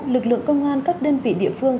lực lượng công an các đơn vị địa phương